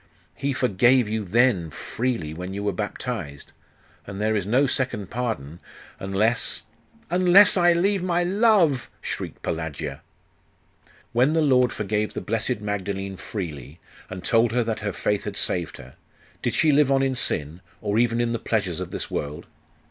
'He forgave you then, freely, when you were baptized: and there is no second pardon unless 'Unless I leave my love!' shrieked Pelagia. 'When the Lord forgave the blessed Magdalene freely, and told her that her faith had saved her did she live on in sin, or even in the pleasures of this world?